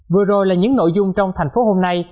vừa rồi là những nội dung trong thành phố hôm nay